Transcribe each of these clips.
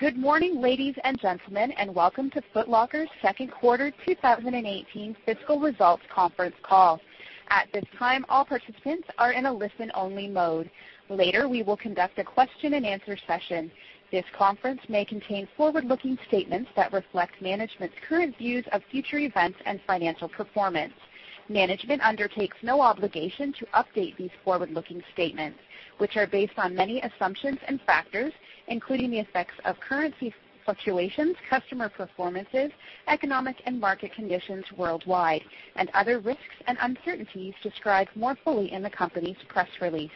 Good morning, ladies and gentlemen, and welcome to Foot Locker's second quarter 2018 fiscal results conference call. At this time, all participants are in a listen-only mode. Later, we will conduct a question-and-answer session. This conference may contain forward-looking statements that reflect management's current views of future events and financial performance. Management undertakes no obligation to update these forward-looking statements, which are based on many assumptions and factors, including the effects of currency fluctuations, customer performances, economic and market conditions worldwide, and other risks and uncertainties described more fully in the company's press release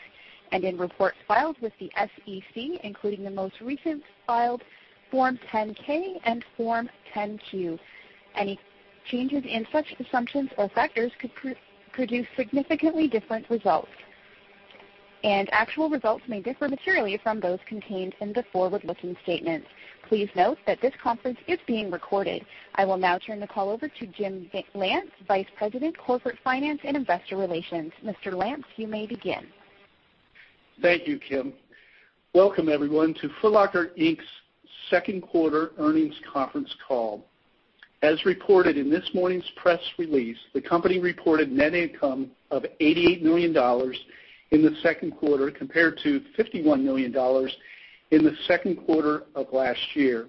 and in reports filed with the SEC, including the most recent filed Form 10-K and Form 10-Q. Any changes in such assumptions or factors could produce significantly different results, and actual results may differ materially from those contained in the forward-looking statements. Please note that this conference is being recorded. I will now turn the call over to Jim Lance, Vice President, Corporate Finance and Investor Relations. Mr. Lance, you may begin. Thank you, Kim. Welcome, everyone, to Foot Locker, Inc.'s second quarter earnings conference call. As reported in this morning's press release, the company reported net income of $88 million in the second quarter, compared to $51 million in the second quarter of last year.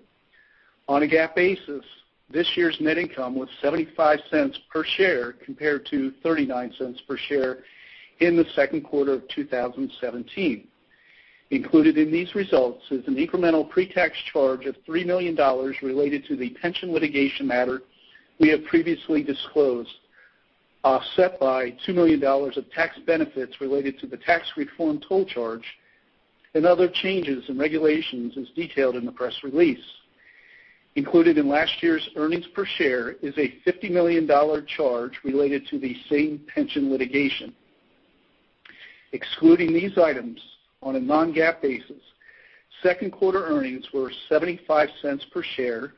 On a GAAP basis, this year's net income was $0.75 per share, compared to $0.39 per share in the second quarter of 2017. Included in these results is an incremental pre-tax charge of $3 million related to the pension litigation matter we have previously disclosed, offset by $2 million of tax benefits related to the tax reform toll charge and other changes in regulations as detailed in the press release. Included in last year's earnings per share is a $50 million charge related to the same pension litigation. Excluding these items, on a non-GAAP basis, second quarter earnings were $0.75 per share,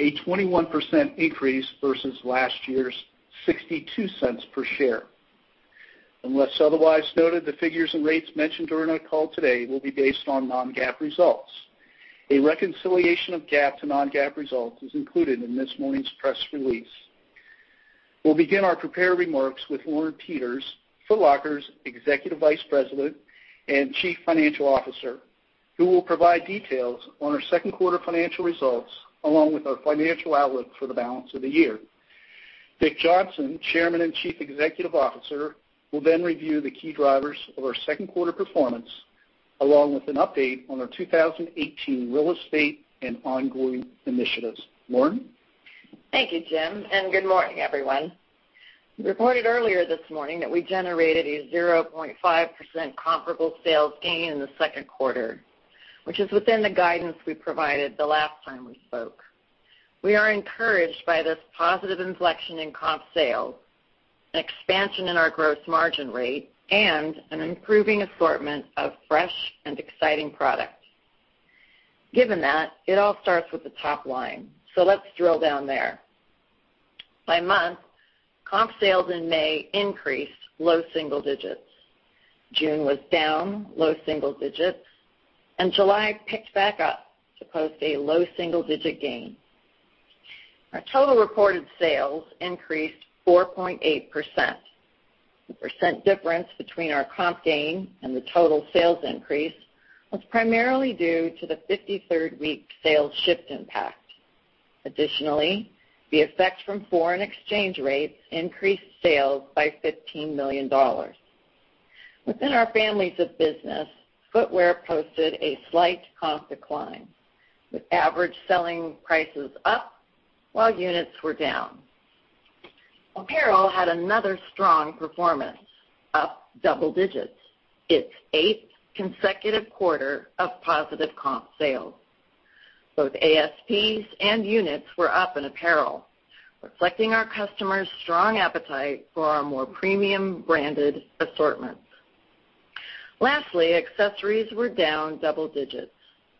a 21% increase versus last year's $0.62 per share. Unless otherwise noted, the figures and rates mentioned during our call today will be based on non-GAAP results. A reconciliation of GAAP to non-GAAP results is included in this morning's press release. We'll begin our prepared remarks with Lauren Peters, Foot Locker's Executive Vice President and Chief Financial Officer, who will provide details on our second quarter financial results, along with our financial outlook for the balance of the year. Dick Johnson, Chairman and Chief Executive Officer, will then review the key drivers of our second quarter performance, along with an update on our 2018 real estate and ongoing initiatives. Lauren? Thank you, Jim. Good morning, everyone. We reported earlier this morning that we generated a 0.5% comparable sales gain in the second quarter, which is within the guidance we provided the last time we spoke. We are encouraged by this positive inflection in comp sales, an expansion in our gross margin rate, and an improving assortment of fresh and exciting product. Given that, it all starts with the top line, so let's drill down there. By month, comp sales in May increased low double digits. June was down low single digits. July picked back up to post a low single-digit gain. Our total reported sales increased 4.8%. The percent difference between our comp gain and the total sales increase was primarily due to the 53rd-week sales shift impact. Additionally, the effect from foreign exchange rates increased sales by $15 million. Within our families of business, footwear posted a slight comp decline, with average selling prices up while units were down. Apparel had another strong performance, up double digits, its eighth consecutive quarter of positive comp sales. Both ASPs and units were up in apparel, reflecting our customers' strong appetite for our more premium branded assortments. Lastly, accessories were down double digits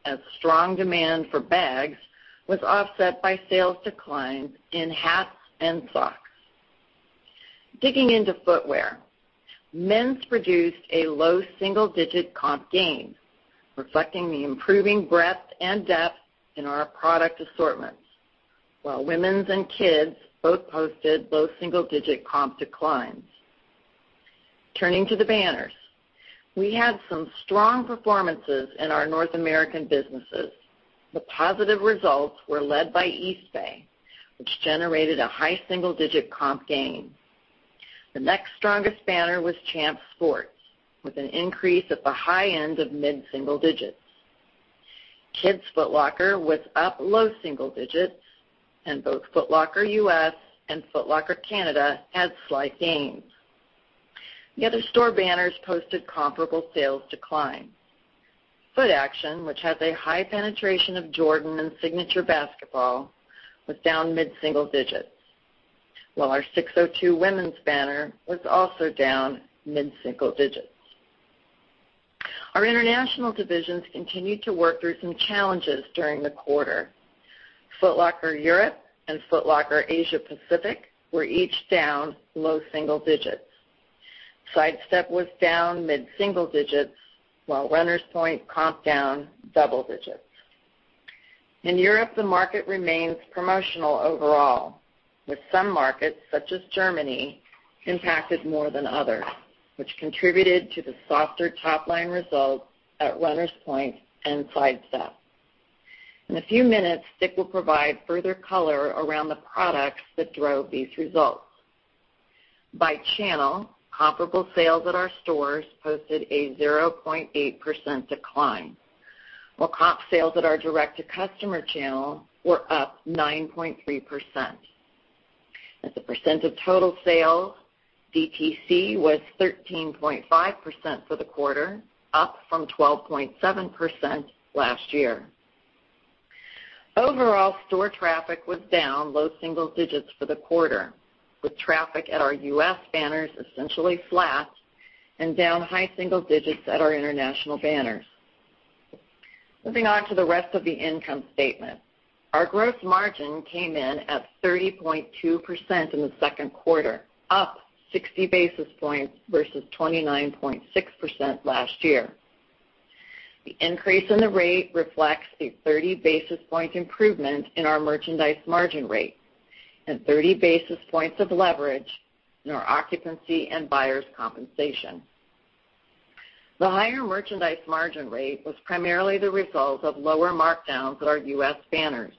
as strong demand for bags was offset by sales declines in hats and socks. Digging into footwear. Men's produced a low single-digit comp gain, reflecting the improving breadth and depth in our product assortments, while women's and kids' both posted low single-digit comp declines. Turning to the banners. We had some strong performances in our North American businesses. The positive results were led by Eastbay, which generated a high single-digit comp gain. The next strongest banner was Champs Sports, with an increase at the high end of mid-single digits. Kids' Foot Locker was up low single digits. Both Foot Locker U.S. and Foot Locker Canada had slight gains. The other store banners posted comparable sales declines. Footaction, which has a high penetration of Jordan and signature basketball, was down mid-single digits. While our SIX:02 women's banner was also down mid-single digits. Our international divisions continued to work through some challenges during the quarter. Foot Locker Europe and Foot Locker Asia Pacific were each down low single digits. Sidestep was down mid-single digits, while Runners Point comp down double digits. In Europe, the market remains promotional overall, with some markets, such as Germany, impacted more than others, which contributed to the softer top-line results at Runners Point and Sidestep. In a few minutes, Dick will provide further color around the products that drove these results. By channel, comparable sales at our stores posted a 0.8% decline, while comp sales at our direct-to-customer channel were up 9.3%. As a percent of total sales, DTC was 13.5% for the quarter, up from 12.7% last year. Overall, store traffic was down low single digits for the quarter, with traffic at our U.S. banners essentially flat and down high single digits at our international banners. Moving on to the rest of the income statement. Our gross margin came in at 30.2% in the second quarter, up 60 basis points versus 29.6% last year. The increase in the rate reflects a 30-basis point improvement in our merchandise margin rate and 30 basis points of leverage in our occupancy and buyers' compensation. The higher merchandise margin rate was primarily the result of lower markdowns at our U.S. banners,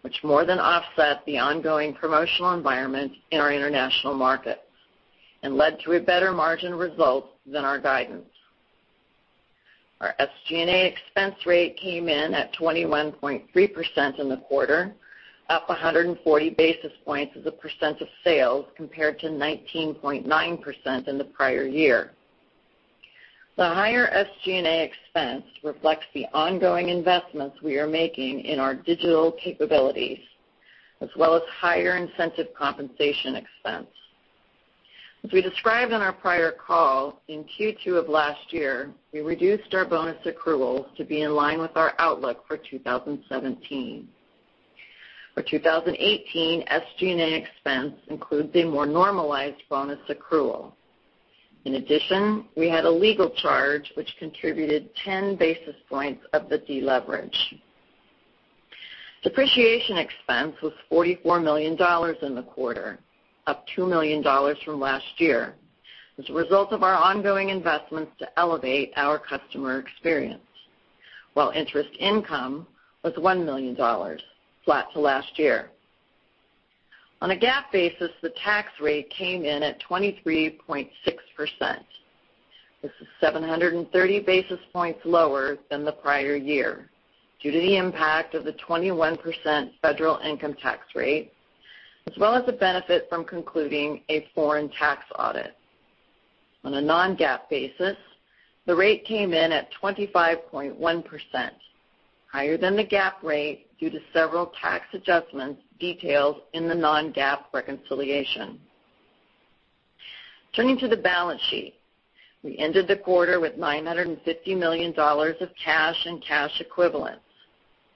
which more than offset the ongoing promotional environment in our international markets and led to a better margin result than our guidance. Our SG&A expense rate came in at 21.3% in the quarter, up 140 basis points as a percent of sales, compared to 19.9% in the prior year. The higher SG&A expense reflects the ongoing investments we are making in our digital capabilities, as well as higher incentive compensation expense. As we described on our prior call, in Q2 of last year, we reduced our bonus accruals to be in line with our outlook for 2017. For 2018, SG&A expense includes a more normalized bonus accrual. In addition, we had a legal charge, which contributed 10 basis points of the deleverage. Depreciation expense was $44 million in the quarter, up $2 million from last year, as a result of our ongoing investments to elevate our customer experience. While interest income was $1 million, flat to last year. On a GAAP basis, the tax rate came in at 23.6%. This is 730 basis points lower than the prior year due to the impact of the 21% federal income tax rate, as well as the benefit from concluding a foreign tax audit. On a non-GAAP basis, the rate came in at 25.1%, higher than the GAAP rate due to several tax adjustments detailed in the non-GAAP reconciliation. Turning to the balance sheet. We ended the quarter with $950 million of cash and cash equivalents,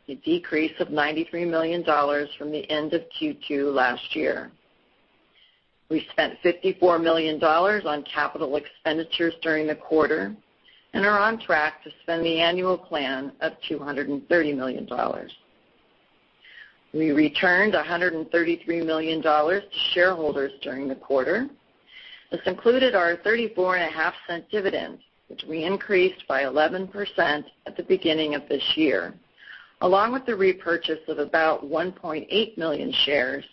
a decrease of $93 million from the end of Q2 last year. We spent $54 million on capital expenditures during the quarter and are on track to spend the annual plan of $230 million. We returned $133 million to shareholders during the quarter. This included our $0.345 dividend, which we increased by 11% at the beginning of this year, along with the repurchase of about 1.8 million shares,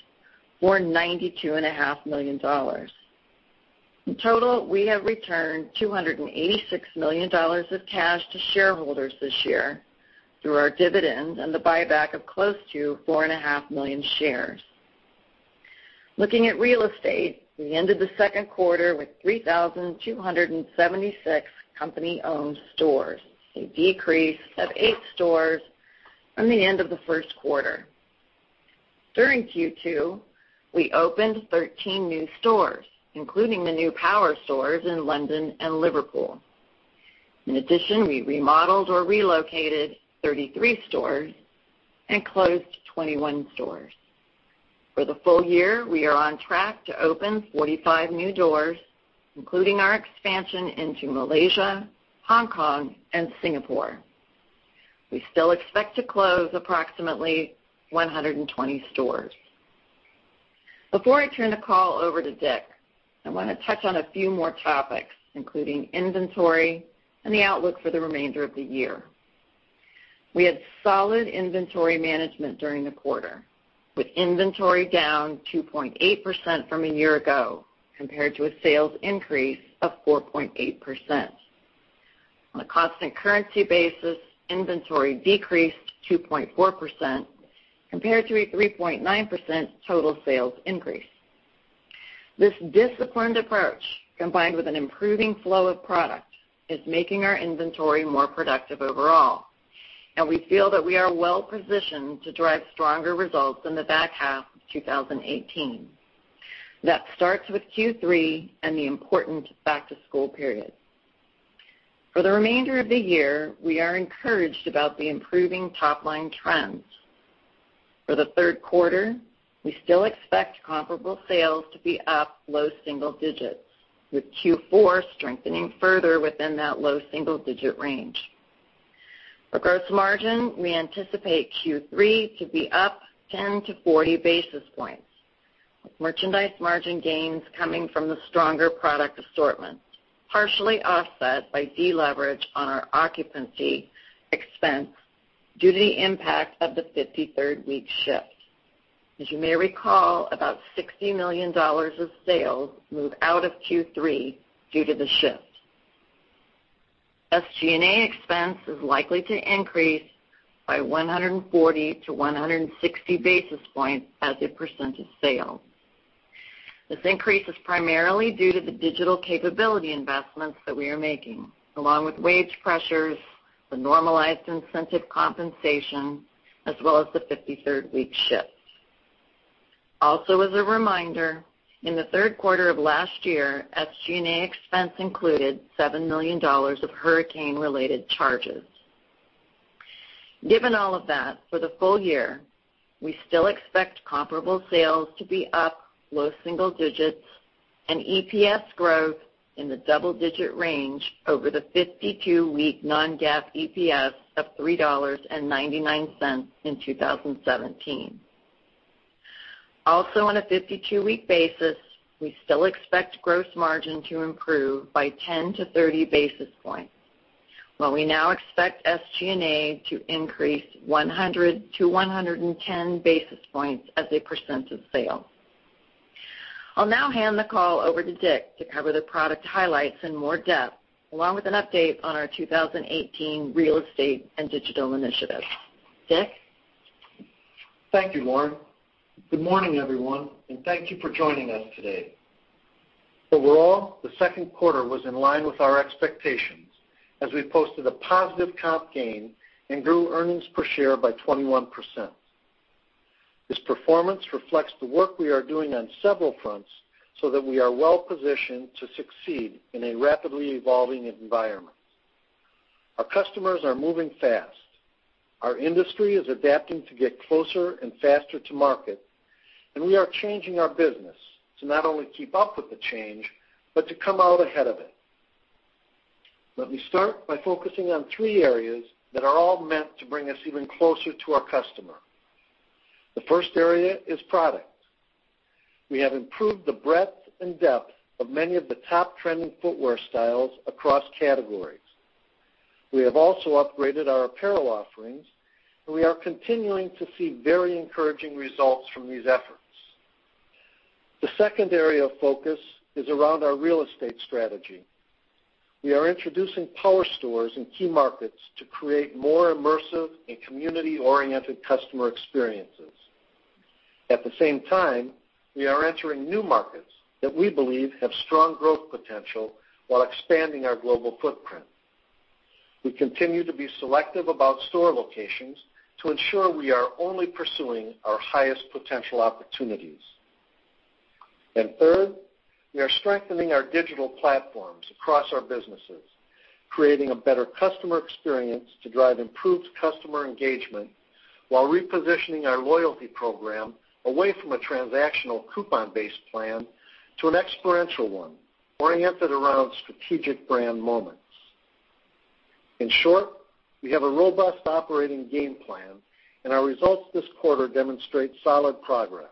or $92.5 million. In total, we have returned $286 million of cash to shareholders this year through our dividends and the buyback of close to 4.5 million shares. Looking at real estate, we ended the second quarter with 3,276 company-owned stores, a decrease of eight stores from the end of the first quarter. During Q2, we opened 13 new stores, including the new power stores in London and Liverpool. In addition, we remodeled or relocated 33 stores and closed 21 stores. For the full year, we are on track to open 45 new doors, including our expansion into Malaysia, Hong Kong, and Singapore. We still expect to close approximately 120 stores. Before I turn the call over to Dick, I want to touch on a few more topics, including inventory and the outlook for the remainder of the year. We had solid inventory management during the quarter, with inventory down 2.8% from a year ago, compared to a sales increase of 4.8%. On a constant currency basis, inventory decreased 2.4%, compared to a 3.9% total sales increase. This disciplined approach, combined with an improving flow of product, is making our inventory more productive overall, and we feel that we are well positioned to drive stronger results in the back half of 2018. That starts with Q3 and the important back-to-school period. For the remainder of the year, we are encouraged about the improving top-line trends. For the third quarter, we still expect comparable sales to be up low single digits, with Q4 strengthening further within that low single-digit range. For gross margin, we anticipate Q3 to be up 10 to 40 basis points, with merchandise margin gains coming from the stronger product assortments, partially offset by deleverage on our occupancy expense due to the impact of the 53rd week shift. As you may recall, about $60 million of sales moved out of Q3 due to the shift. SG&A expense is likely to increase by 140 to 160 basis points as a percent of sale. This increase is primarily due to the digital capability investments that we are making, along with wage pressures, the normalized incentive compensation, as well as the 53rd week shift. As a reminder, in the third quarter of last year, SG&A expense included $7 million of hurricane-related charges. Given all of that, for the full year, we still expect comparable sales to be up low single digits and EPS growth in the double-digit range over the 52-week non-GAAP EPS of $3.99 in 2017. On a 52-week basis, we still expect gross margin to improve by 10 to 30 basis points, while we now expect SG&A to increase 100 to 110 basis points as a percent of sale. I'll now hand the call over to Dick to cover the product highlights in more depth, along with an update on our 2018 real estate and digital initiatives. Dick? Thank you, Lauren. Good morning, everyone, and thank you for joining us today. Overall, the second quarter was in line with our expectations as we posted a positive comp gain and grew earnings per share by 21%. This performance reflects the work we are doing on several fronts so that we are well-positioned to succeed in a rapidly evolving environment. Our customers are moving fast. Our industry is adapting to get closer and faster to market. We are changing our business to not only keep up with the change but to come out ahead of it. Let me start by focusing on three areas that are all meant to bring us even closer to our customer. The first area is product. We have improved the breadth and depth of many of the top trending footwear styles across categories. We have also upgraded our apparel offerings, and we are continuing to see very encouraging results from these efforts. The second area of focus is around our real estate strategy. We are introducing power stores in key markets to create more immersive and community-oriented customer experiences. At the same time, we are entering new markets that we believe have strong growth potential while expanding our global footprint. We continue to be selective about store locations to ensure we are only pursuing our highest potential opportunities. Third, we are strengthening our digital platforms across our businesses, creating a better customer experience to drive improved customer engagement while repositioning our loyalty program away from a transactional coupon-based plan to an experiential one oriented around strategic brand moments. In short, we have a robust operating game plan, and our results this quarter demonstrate solid progress.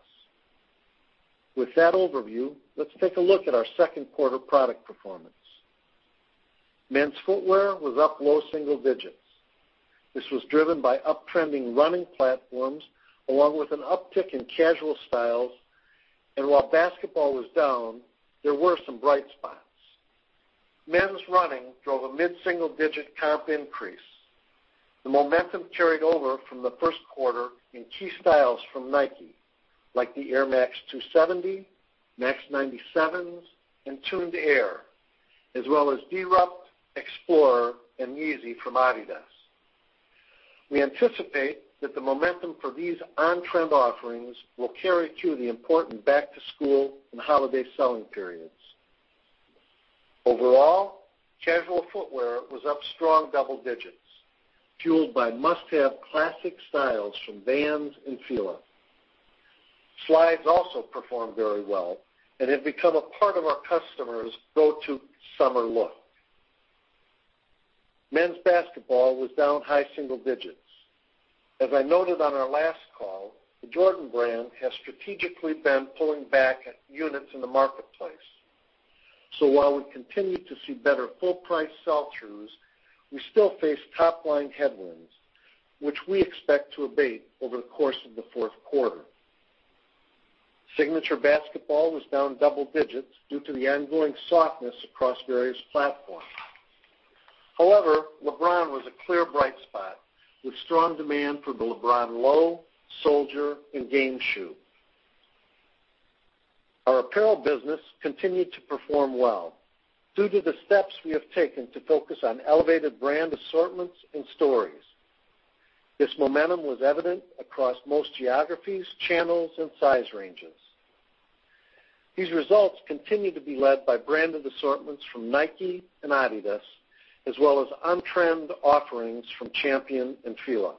With that overview, let's take a look at our second quarter product performance. Men's footwear was up low single digits. This was driven by uptrending running platforms along with an uptick in casual styles. While basketball was down, there were some bright spots. Men's running drove a mid-single-digit comp increase. The momentum carried over from the first quarter in key styles from Nike, like the Air Max 270, Max 97s, and Tuned Air, as well as Deerupt, XPLR, and Yeezy from Adidas. We anticipate that the momentum for these on-trend offerings will carry through the important back-to-school and holiday selling periods. Overall, casual footwear was up strong double digits, fueled by must-have classic styles from Vans and Fila. Slides also performed very well and have become a part of our customers' go-to summer look. Men's basketball was down high single digits. As I noted on our last call, the Jordan brand has strategically been pulling back units in the marketplace. While we continue to see better full price sell-throughs, we still face top-line headwinds, which we expect to abate over the course of the fourth quarter. Signature basketball was down double digits due to the ongoing softness across various platforms. However, LeBron was a clear bright spot with strong demand for the LeBron Low, Soldier, and Game shoe. Our apparel business continued to perform well due to the steps we have taken to focus on elevated brand assortments and stories. This momentum was evident across most geographies, channels, and size ranges. These results continue to be led by branded assortments from Nike and Adidas, as well as on-trend offerings from Champion and Fila.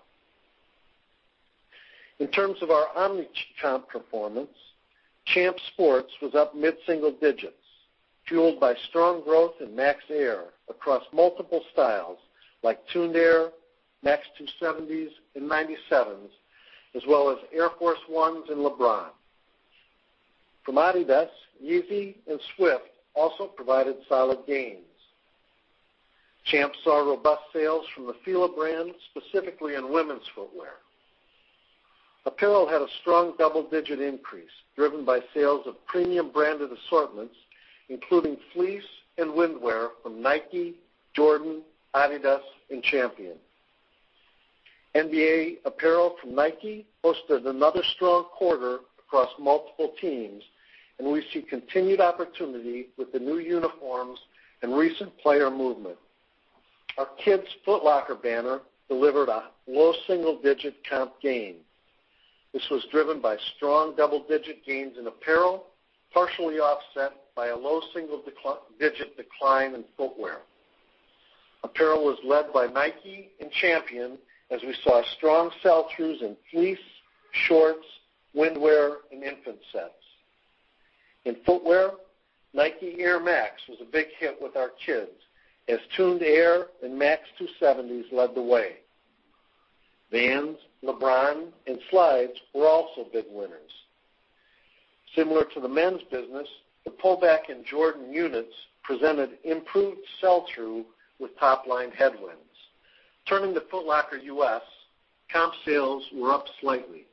In terms of our omni-channel performance, Champs Sports was up mid-single digits, fueled by strong growth in Max Air across multiple styles like Tuned Air, Max 270s and 97s, as well as Air Force 1s and LeBron. From Adidas, Yeezy and Swift Run also provided solid gains. Champs saw robust sales from the Fila brand, specifically in women's footwear. Apparel had a strong double-digit increase, driven by sales of premium branded assortments, including fleece and windwear from Nike, Jordan, Adidas, and Champion. NBA apparel from Nike posted another strong quarter across multiple teams, and we see continued opportunity with the new uniforms and recent player movement. Our Kids Foot Locker banner delivered a low single-digit comp gain. This was driven by strong double-digit gains in apparel, partially offset by a low single-digit decline in footwear. Apparel was led by Nike and Champion, as we saw strong sell-throughs in fleece, shorts, windwear, and infant sets. In footwear, Nike Air Max was a big hit with our kids, as Tuned Air and Max 270s led the way. Vans, LeBron, and slides were also big winners. Similar to the men's business, the pullback in Jordan units presented improved sell-through with top-line headwinds. Turning to Foot Locker US, comp sales were up slightly.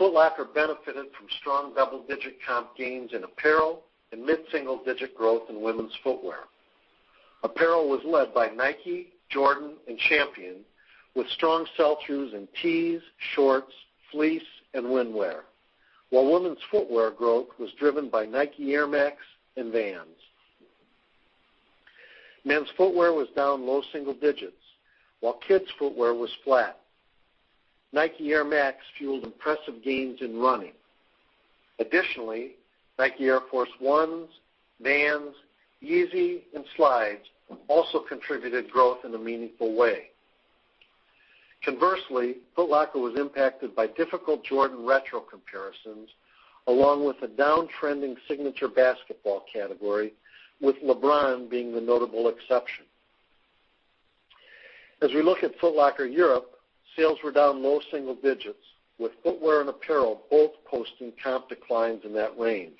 Foot Locker benefited from strong double-digit comp gains in apparel and mid-single-digit growth in women's footwear. Apparel was led by Nike, Jordan, and Champion, with strong sell-throughs in tees, shorts, fleece, and windwear. Women's footwear growth was driven by Nike Air Max and Vans. Men's footwear was down low single digits, while kids' footwear was flat. Nike Air Max fueled impressive gains in running. Additionally, Nike Air Force 1s, Vans, Yeezy, and slides also contributed growth in a meaningful way. Conversely, Foot Locker was impacted by difficult Jordan retro comparisons, along with a downtrending signature basketball category, with LeBron being the notable exception. As we look at Foot Locker Europe, sales were down low single digits, with footwear and apparel both posting comp declines in that range.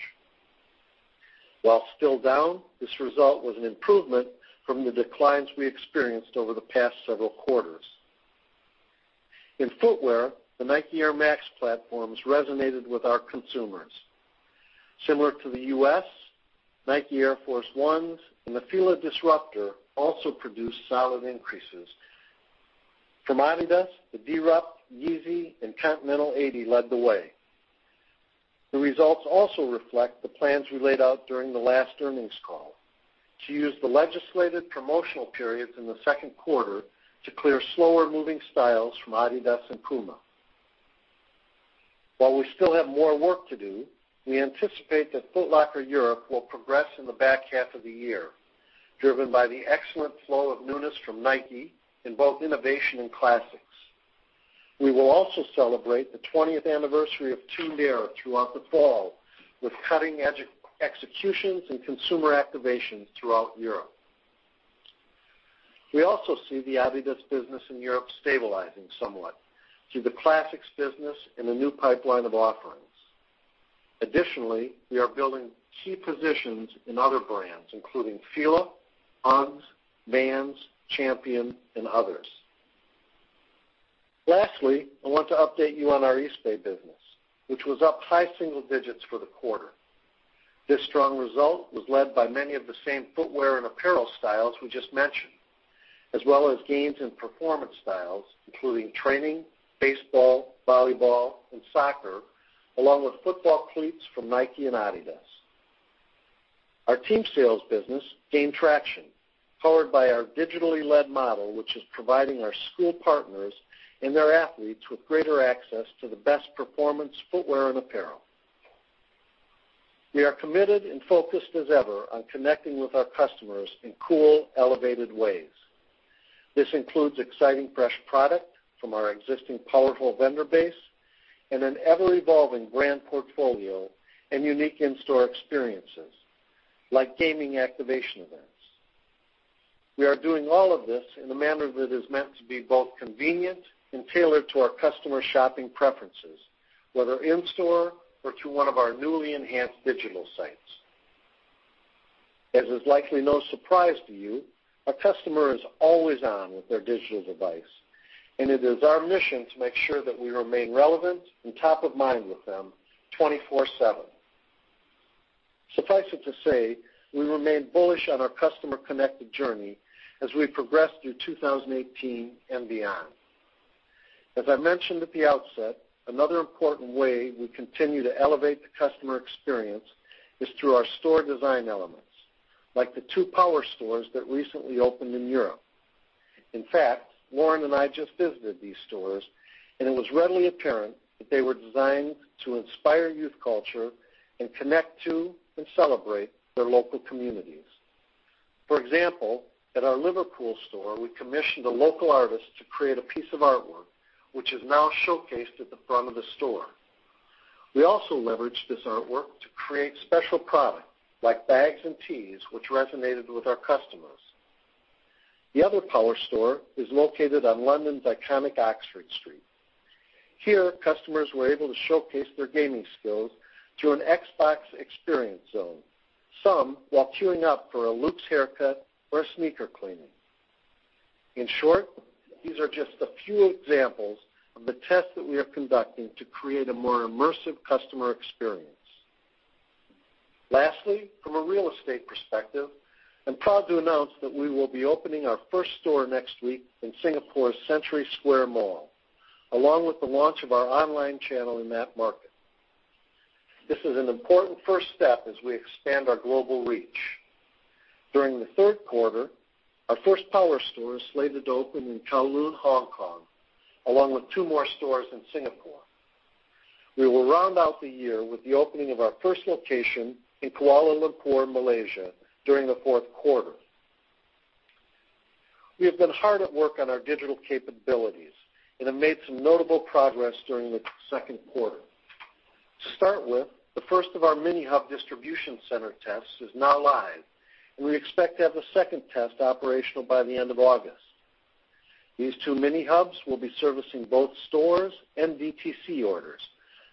While still down, this result was an improvement from the declines we experienced over the past several quarters. In footwear, the Nike Air Max platforms resonated with our consumers. Similar to the U.S., Nike Air Force 1s and the Fila Disruptor also produced solid increases. From Adidas, the Deerupt, Yeezy, and Continental 80 led the way. The results also reflect the plans we laid out during the last earnings call. To use the legislated promotional periods in the second quarter to clear slower-moving styles from Adidas and Puma. While we still have more work to do, we anticipate that Foot Locker Europe will progress in the back half of the year, driven by the excellent flow of newness from Nike in both innovation and classics. We will also celebrate the 20th anniversary of Tuned Air throughout the fall with cutting-edge executions and consumer activations throughout Europe. We also see the Adidas business in Europe stabilizing somewhat through the classics business and a new pipeline of offerings. Additionally, we are building key positions in other brands, including Fila, UGG, Vans, Champion, and others. Lastly, I want to update you on our Eastbay business, which was up high single digits for the quarter. This strong result was led by many of the same footwear and apparel styles we just mentioned, as well as gains in performance styles, including training, baseball, volleyball, and soccer, along with football cleats from Nike and Adidas. Our team sales business gained traction, powered by our digitally led model, which is providing our school partners and their athletes with greater access to the best performance footwear and apparel. We are committed and focused as ever on connecting with our customers in cool, elevated ways. This includes exciting fresh product from our existing powerful vendor base and an ever-evolving brand portfolio and unique in-store experiences, like gaming activation events. We are doing all of this in a manner that is meant to be both convenient and tailored to our customers' shopping preferences, whether in-store or through one of our newly enhanced digital sites. As is likely no surprise to you, a customer is always on with their digital device, and it is our mission to make sure that we remain relevant and top of mind with them 24/7. Suffice it to say, we remain bullish on our customer connected journey as we progress through 2018 and beyond. As I mentioned at the outset, another important way we continue to elevate the customer experience is through our store design elements, like the two power stores that recently opened in Europe. In fact, Lauren and I just visited these stores, and it was readily apparent that they were designed to inspire youth culture and connect to and celebrate their local communities. For example, at our Liverpool store, we commissioned a local artist to create a piece of artwork, which is now showcased at the front of the store. We also leveraged this artwork to create special product like bags and tees, which resonated with our customers. The other power store is located on London's iconic Oxford Street. Here, customers were able to showcase their gaming skills through an Xbox experience zone, while queuing up for a luxe haircut or a sneaker cleaning. In short, these are just a few examples of the tests that we are conducting to create a more immersive customer experience. Lastly, from a real estate perspective, I'm proud to announce that we will be opening our first store next week in Singapore's Century Square Mall, along with the launch of our online channel in that market. This is an important first step as we expand our global reach. During the third quarter, our first power store is slated to open in Kowloon, Hong Kong, along with two more stores in Singapore. We will round out the year with the opening of our first location in Kuala Lumpur, Malaysia, during the fourth quarter. We have been hard at work on our digital capabilities and have made some notable progress during the second quarter. To start with, the first of our mini hub distribution center tests is now live, and we expect to have the second test operational by the end of August. These two mini hubs will be servicing both stores and DTC orders,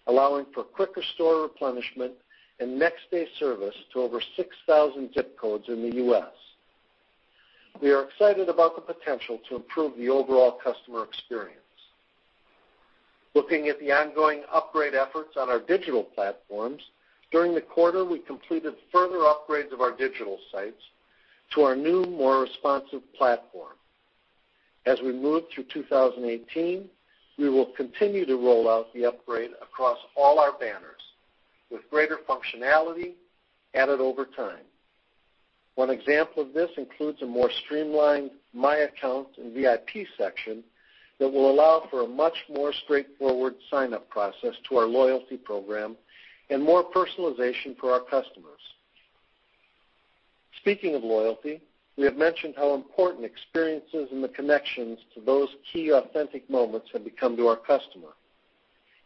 allowing for quicker store replenishment and next-day service to over 6,000 zip codes in the U.S. We are excited about the potential to improve the overall customer experience. Looking at the ongoing upgrade efforts on our digital platforms, during the quarter, we completed further upgrades of our digital sites to our new, more responsive platform. As we move through 2018, we will continue to roll out the upgrade across all our banners, with greater functionality added over time. One example of this includes a more streamlined My Account and VIP section that will allow for a much more straightforward sign-up process to our loyalty program and more personalization for our customers. Speaking of loyalty, we have mentioned how important experiences and the connections to those key authentic moments have become to our customer.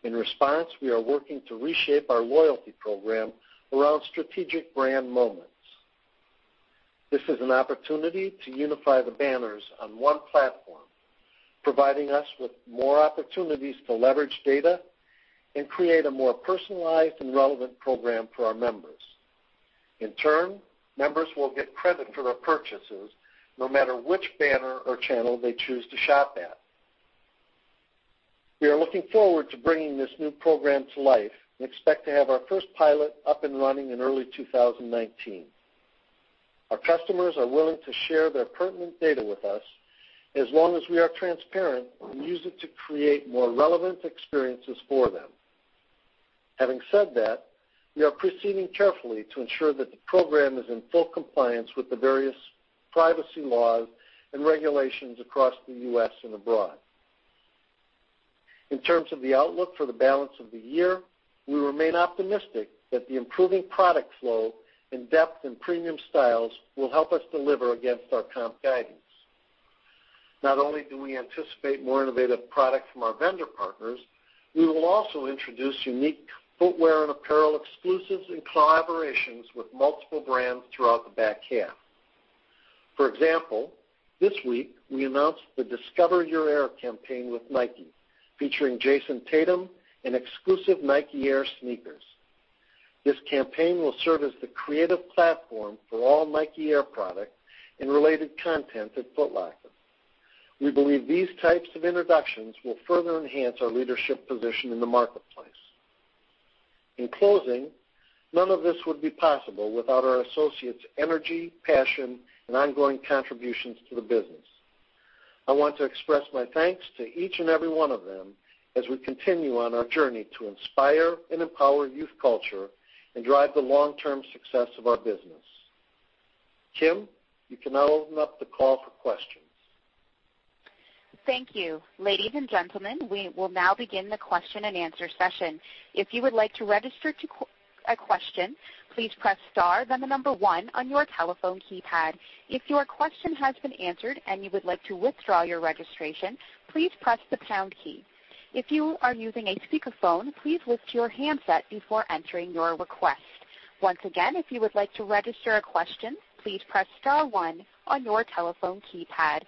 In response, we are working to reshape our loyalty program around strategic brand moments. This is an opportunity to unify the banners on one platform, providing us with more opportunities to leverage data and create a more personalized and relevant program for our members. In turn, members will get credit for their purchases no matter which banner or channel they choose to shop at. We are looking forward to bringing this new program to life and expect to have our first pilot up and running in early 2019. Our customers are willing to share their pertinent data with us as long as we are transparent and use it to create more relevant experiences for them. Having said that, we are proceeding carefully to ensure that the program is in full compliance with the various privacy laws and regulations across the U.S. and abroad. In terms of the outlook for the balance of the year, we remain optimistic that the improving product flow in depth and premium styles will help us deliver against our comp guidance. Not only do we anticipate more innovative product from our vendor partners, we will also introduce unique footwear and apparel exclusives and collaborations with multiple brands throughout the back half. For example, this week we announced the Discover Your Air campaign with Nike, featuring Jayson Tatum in exclusive Nike Air sneakers. This campaign will serve as the creative platform for all Nike Air product and related content at Foot Locker. We believe these types of introductions will further enhance our leadership position in the marketplace. In closing, none of this would be possible without our associates' energy, passion, and ongoing contributions to the business. I want to express my thanks to each and every one of them as we continue on our journey to inspire and empower youth culture and drive the long-term success of our business. Kim, you can now open up the call for questions. Thank you. Ladies and gentlemen, we will now begin the question-and-answer session. If you would like to register a question, please press star, then the number 1 on your telephone keypad. If your question has been answered and you would like to withdraw your registration, please press the pound key. If you are using a speakerphone, please lift your handset before entering your request. Once again, if you would like to register a question, please press star 1 on your telephone keypad.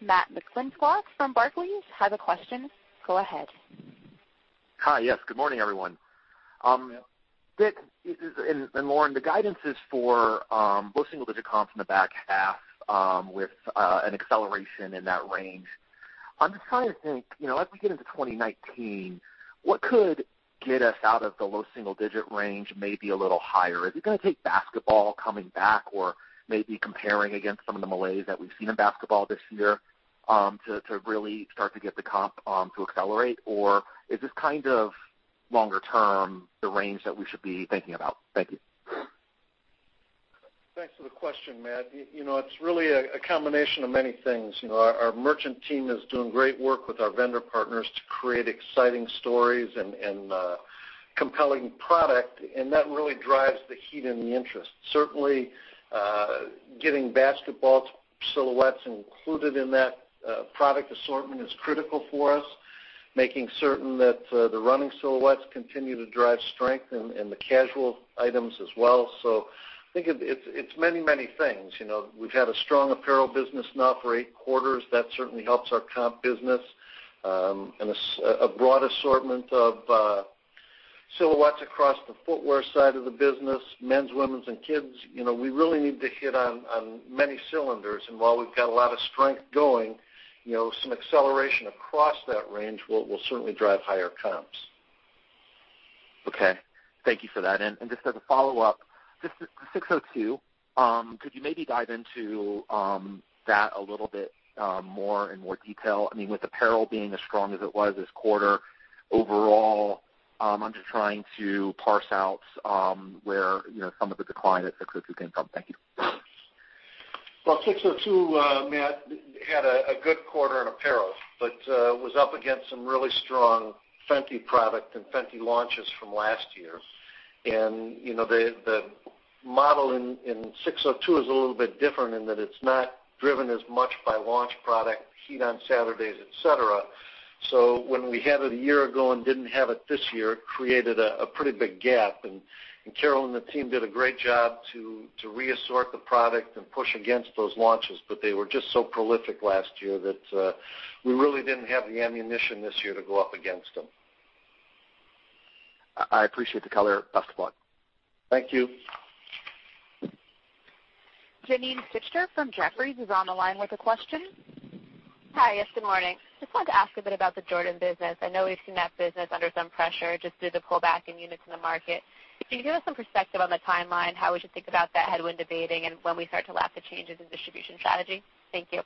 Matt McClintock from Barclays has a question. Go ahead. Hi. Yes. Good morning, everyone. Dick and Lauren, the guidance is for low single-digit comps in the back half with an acceleration in that range. I'm just trying to think, as we get into 2019, what could get us out of the low single-digit range, maybe a little higher? Is it going to take basketball coming back or maybe comparing against some of the malaise that we've seen in basketball this year to really start to get the comp to accelerate? Or is this kind of longer term the range that we should be thinking about? Thank you. Thanks for the question, Matt. It's really a combination of many things. Our merchant team is doing great work with our vendor partners to create exciting stories and compelling product, and that really drives the heat and the interest. Certainly, getting basketball silhouettes included in that product assortment is critical for us, making certain that the running silhouettes continue to drive strength in the casual items as well. I think it's many, many things. We've had a strong apparel business now for eight quarters. That certainly helps our comp business. A broad assortment of silhouettes across the footwear side of the business, men's, women's, and kids. We really need to hit on many cylinders, and while we've got a lot of strength going, some acceleration across that range will certainly drive higher comps. Okay. Thank you for that. Just as a follow-up, just the SIX:02, could you maybe dive into that a little bit more in more detail? With apparel being as strong as it was this quarter, overall, I'm just trying to parse out where some of the decline at SIX:02 can come. Thank you. Well, SIX:02, Matt, had a good quarter in apparel, was up against some really strong Fenty product and Fenty launches from last year. The model in SIX:02 is a little bit different in that it's not driven as much by launch product, heat on Saturdays, et cetera. When we had it a year ago and didn't have it this year, it created a pretty big gap. Kirta and the team did a great job to re-assort the product and push against those launches. They were just so prolific last year that we really didn't have the ammunition this year to go up against them. I appreciate the color. Best of luck. Thank you. Janine Stichter from Jefferies is on the line with a question. Hi. Yes, good morning. Just wanted to ask a bit about the Jordan business. I know we've seen that business under some pressure just due to pull back in units in the market. Can you give us some perspective on the timeline, how we should think about that headwind abating, and when we start to lap the changes in distribution strategy? Thank you.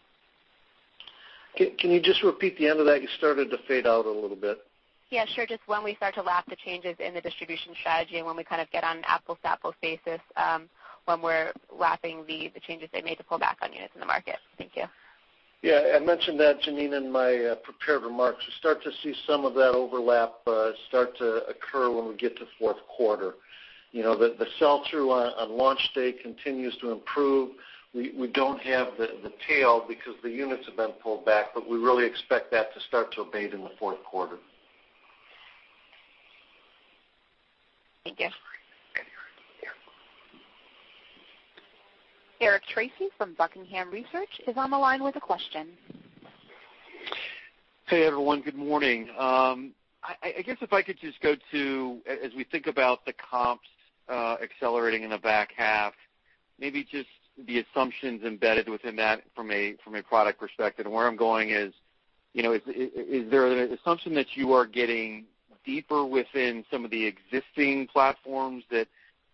Can you just repeat the end of that? You started to fade out a little bit. Yeah, sure. Just when we start to lap the changes in the distribution strategy and when we kind of get on an apples-to-apples basis, when we're lapping the changes they made to pull back on units in the market. Thank you. Yeah. I mentioned that, Janine, in my prepared remarks. We start to see some of that overlap start to occur when we get to fourth quarter. The sell-through on launch day continues to improve. We don't have the tail because the units have been pulled back, but we really expect that to start to abate in the fourth quarter. Thank you. Eric Tracy from Buckingham Research is on the line with a question. Hey, everyone. Good morning. I guess if I could just go to, as we think about the comps accelerating in the back half, maybe just the assumptions embedded within that from a product perspective. Where I'm going is there an assumption that you are getting deeper within some of the existing platforms that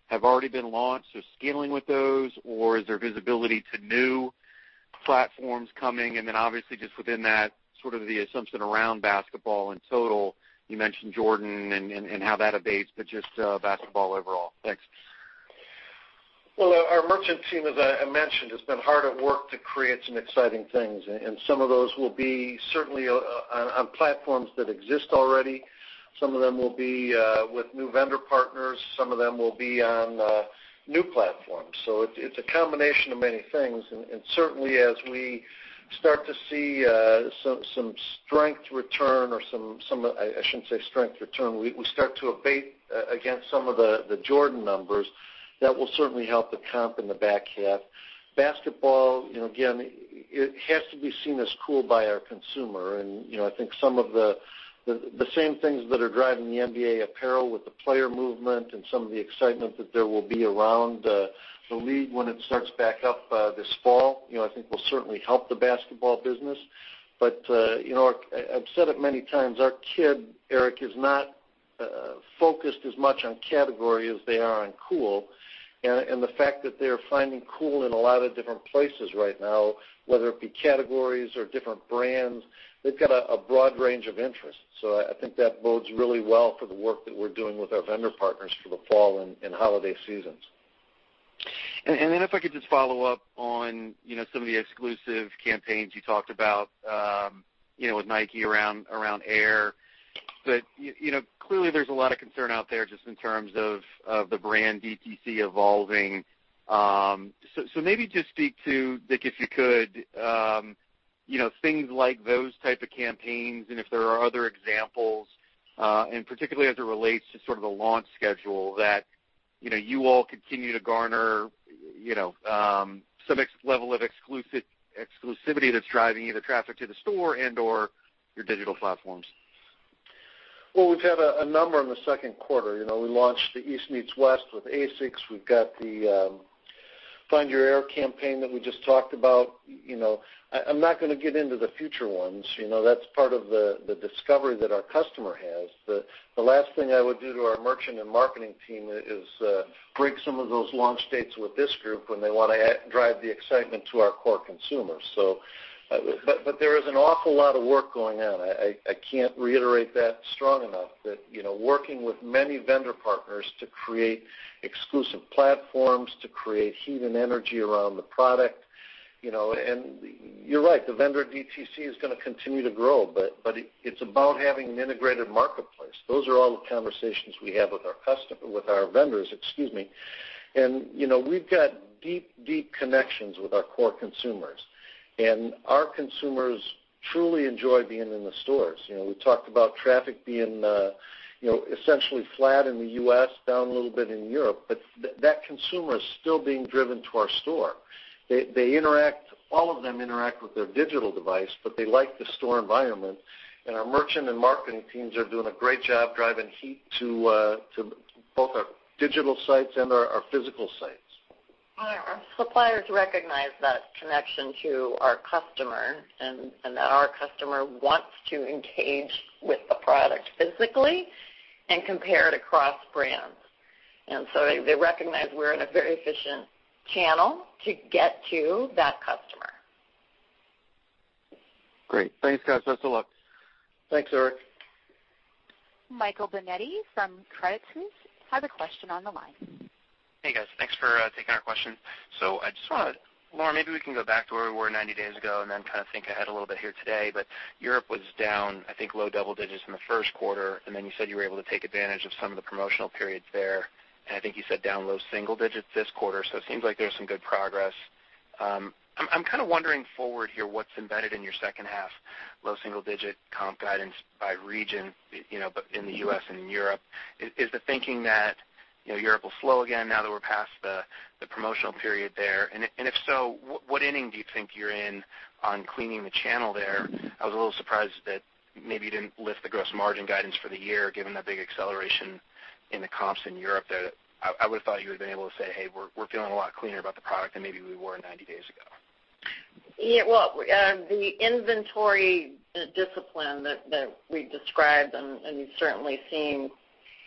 have already been launched or scaling with those? Is there visibility to new platforms coming? Obviously just within that sort of the assumption around basketball in total, you mentioned Jordan and how that abates, but just basketball overall. Thanks. Well, our merchant team, as I mentioned, has been hard at work to create some exciting things. Some of those will be certainly on platforms that exist already. Some of them will be with new vendor partners. Some of them will be on new platforms. It's a combination of many things. Certainly, as we start to see some strength return. We start to abate against some of the Jordan numbers. That will certainly help the comp in the back half. Basketball, again, it has to be seen as cool by our consumer. I think some of the same things that are driving the NBA apparel with the player movement and some of the excitement that there will be around the league when it starts back up this fall, I think will certainly help the basketball business. I've said it many times, our kid, Eric, is not focused as much on category as they are on cool. The fact that they're finding cool in a lot of different places right now, whether it be categories or different brands, they've got a broad range of interests. I think that bodes really well for the work that we're doing with our vendor partners for the fall and holiday seasons. If I could just follow up on some of the exclusive campaigns you talked about with Nike around Air. Clearly, there's a lot of concern out there just in terms of the brand DTC evolving. Maybe just speak to, Dick, if you could, things like those type of campaigns and if there are other examples, and particularly as it relates to sort of the launch schedule that you all continue to garner some level of exclusivity that's driving either traffic to the store and/or your digital platforms. Well, we've had a number in the second quarter. We launched the East Meets West with ASICS. We've got the Find Your Air campaign that we just talked about. I'm not going to get into the future ones. That's part of the discovery that our customer has. The last thing I would do to our merchant and marketing team is break some of those launch dates with this group when they want to drive the excitement to our core consumers. There is an awful lot of work going on. I can't reiterate that strong enough that working with many vendor partners to create exclusive platforms, to create heat and energy around the product. You're right, the vendor DTC is going to continue to grow, but it's about having an integrated marketplace. Those are all the conversations we have with our vendors. We've got deep connections with our core consumers. Our consumers truly enjoy being in the stores. We talked about traffic being essentially flat in the U.S., down a little bit in Europe, but that consumer is still being driven to our store. All of them interact with their digital device, but they like the store environment, and our merchant and marketing teams are doing a great job driving heat to both our digital sites and our physical sites. Our suppliers recognize that connection to our customer, and that our customer wants to engage with the product physically and compare it across brands. They recognize we're in a very efficient channel to get to that customer. Great. Thanks, guys. Best of luck. Thanks, Eric. Michael Binetti from Credit Suisse has a question on the line. Hey, guys. Thanks for taking our question. I just want to Lauren, maybe we can go back to where we were 90 days ago and kind of think ahead a little bit here today. Europe was down, I think, low double digits in the first quarter, and you said you were able to take advantage of some of the promotional periods there. I think you said down low single digits this quarter. It seems like there's some good progress. I'm kind of wondering forward here, what's embedded in your second half low single digit comp guidance by region, but in the U.S. and in Europe. Is the thinking that Europe will slow again now that we're past the promotional period there? If so, what inning do you think you're in on cleaning the channel there? I was a little surprised that maybe you didn't lift the gross margin guidance for the year, given that big acceleration in the comps in Europe there. I would have thought you would have been able to say, "Hey, we're feeling a lot cleaner about the product than maybe we were 90 days ago. Well, the inventory discipline that we described, and you've certainly seen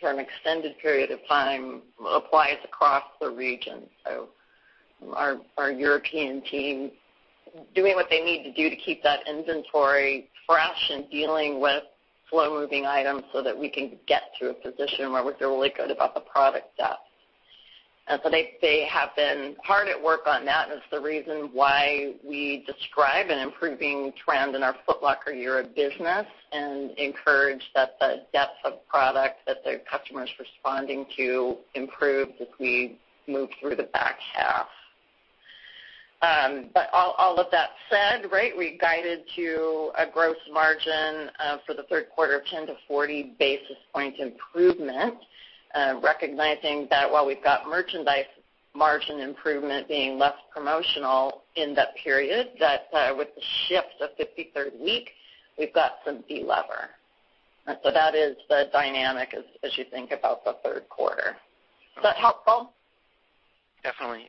for an extended period of time, applies across the region. Our European team doing what they need to do to keep that inventory fresh and dealing with slow-moving items so that we can get to a position where we feel really good about the product depth. They have been hard at work on that, and it's the reason why we describe an improving trend in our Foot Locker Europe business and encourage that the depth of product that their customer's responding to improves as we move through the back half. All of that said, we guided to a gross margin for the third quarter of 10 to 40 basis point improvement. Recognizing that while we've got merchandise margin improvement being less promotional in that period, that with the shift of 53rd week, we've got some de-lever. That is the dynamic as you think about the third quarter. Is that helpful? Definitely.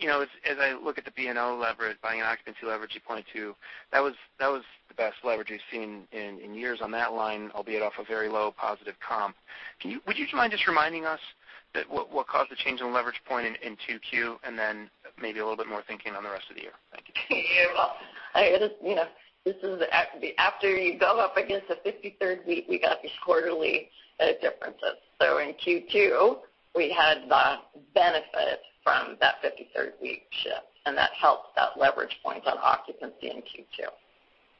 As I look at the B&O leverage, buying occupancy leverage you pointed to, that was the best leverage we've seen in years on that line, albeit off a very low positive comp. Would you mind just reminding us what caused the change in leverage point in 2Q, and then maybe a little bit more thinking on the rest of the year? Thank you. Yeah. Well, after you go up against the 53rd week, we got these quarterly differences. In Q2, we had the benefit from that 53rd week shift, and that helped that leverage points on occupancy in Q2.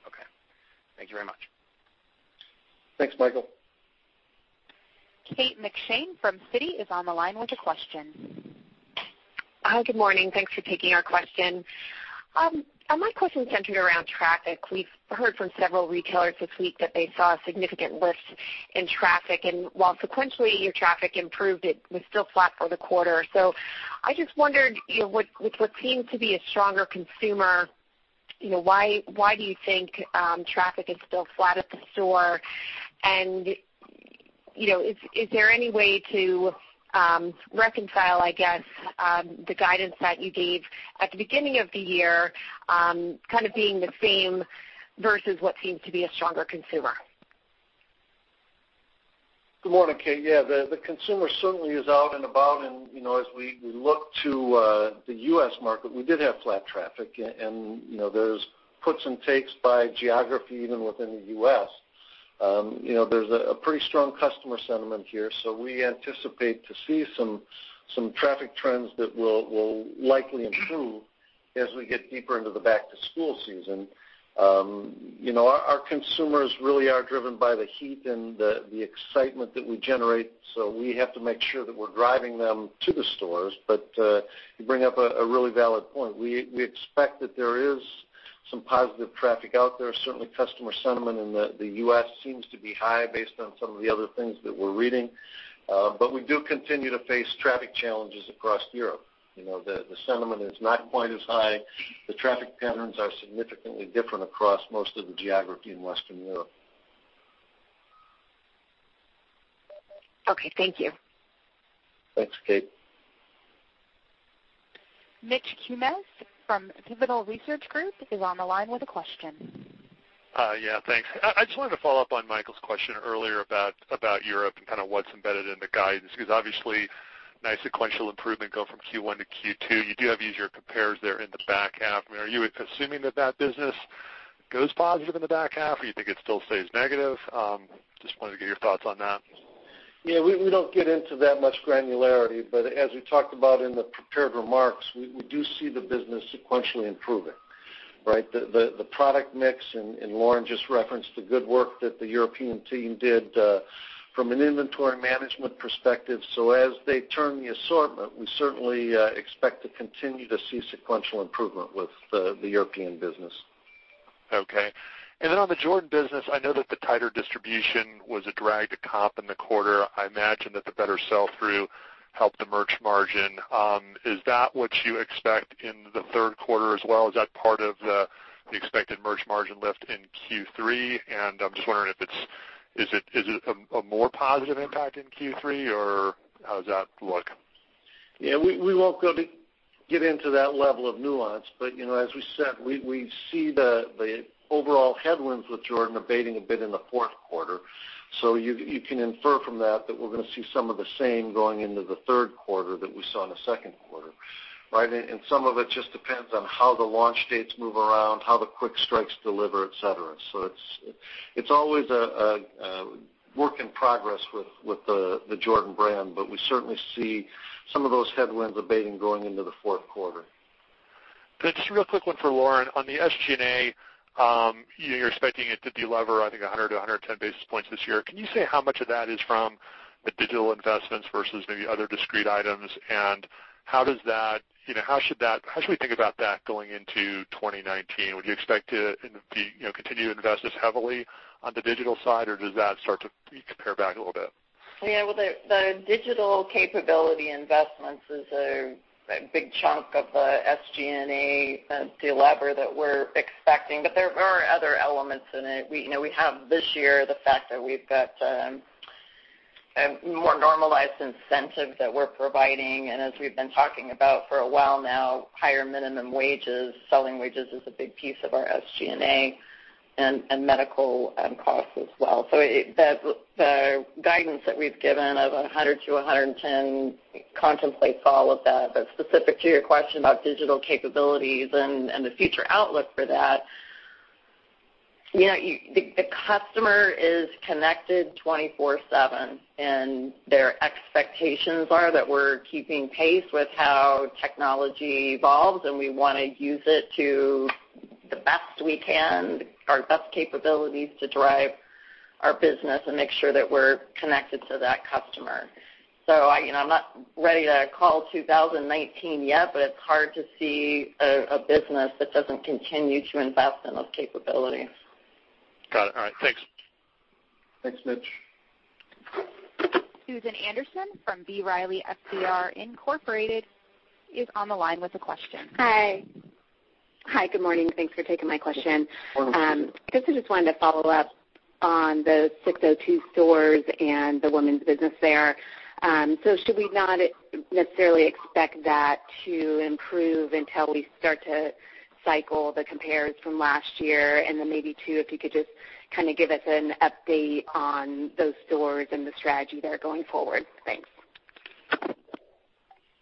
Okay. Thank you very much. Thanks, Michael. Kate McShane from Citi is on the line with a question. Hi. Good morning. Thanks for taking our question. My question is centered around traffic. We've heard from several retailers this week that they saw a significant lift in traffic. While sequentially your traffic improved, it was still flat for the quarter. I just wondered, with what seems to be a stronger consumer, why do you think traffic is still flat at the store? Is there any way to reconcile, I guess, the guidance that you gave at the beginning of the year, kind of being the same versus what seems to be a stronger consumer? Good morning, Kate. Yeah, the consumer certainly is out and about. As we look to the U.S. market, we did have flat traffic. There's puts and takes by geography, even within the U.S. There's a pretty strong customer sentiment here, we anticipate to see some traffic trends that will likely improve as we get deeper into the back-to-school season. Our consumers really are driven by the heat and the excitement that we generate, we have to make sure that we're driving them to the stores. You bring up a really valid point. We expect that there is some positive traffic out there. Certainly, customer sentiment in the U.S. seems to be high based on some of the other things that we're reading. We do continue to face traffic challenges across Europe. The sentiment is not quite as high. The traffic patterns are significantly different across most of the geography in Western Europe. Okay. Thank you. Thanks, Kate. Mitch Kummetz from Pivotal Research Group is on the line with a question. Yeah. Thanks. I just wanted to follow up on Michael's question earlier about Europe and kind of what's embedded in the guidance, because obviously, nice sequential improvement going from Q1 to Q2. You do have easier compares there in the back half. Are you assuming that that business goes positive in the back half, or you think it still stays negative? Just wanted to get your thoughts on that. Yeah. We don't get into that much granularity, but as we talked about in the prepared remarks, we do see the business sequentially improving, right? The product mix, and Lauren just referenced the good work that the European team did from an inventory management perspective. As they turn the assortment, we certainly expect to continue to see sequential improvement with the European business. Okay. On the Jordan business, I know that the tighter distribution was a drag to comp in the quarter. I imagine that the better sell-through helped the merch margin. Is that what you expect in the third quarter as well? Is that part of the expected merch margin lift in Q3? I'm just wondering if it's a more positive impact in Q3, or how does that look? Yeah. We won't get into that level of nuance, but as we said, we see the overall headwinds with Jordan abating a bit in the fourth quarter. You can infer from that we're going to see some of the same going into the third quarter that we saw in the second quarter, right? Some of it just depends on how the launch dates move around, how the quick strikes deliver, et cetera. It's always a work in progress with the Jordan brand, but we certainly see some of those headwinds abating going into the fourth quarter. Just a real quick one for Lauren. On the SG&A, you're expecting it to de-lever, I think, 100-110 basis points this year. Can you say how much of that is from the digital investments versus maybe other discrete items? How should we think about that going into 2019? Would you expect to continue to invest as heavily on the digital side, or does that start to pare back a little bit? Yeah. Well, the digital capability investments is a big chunk of the SG&A de-lever that we're expecting, but there are other elements in it. We have this year, the fact that we've got a more normalized incentive that we're providing. As we've been talking about for a while now, higher minimum wages. Selling wages is a big piece of our SG&A, and medical costs as well. The guidance that we've given of 100-110 contemplates all of that. Specific to your question about digital capabilities and the future outlook for that, the customer is connected 24/7, their expectations are that we're keeping pace with how technology evolves, we want to use it to the best we can, our best capabilities to drive our business and make sure that we're connected to that customer. I'm not ready to call 2019 yet, it's hard to see a business that doesn't continue to invest in those capabilities. Got it. All right. Thanks. Thanks, Mitch. Susan Anderson from B. Riley FBR, Inc. is on the line with a question. Hi. Good morning. Thanks for taking my question. Good morning, Susan. I guess I just wanted to follow up on those SIX:02 stores and the women's business there. Should we not necessarily expect that to improve until we start to cycle the compares from last year? Maybe, too, if you could just give us an update on those stores and the strategy there going forward. Thanks.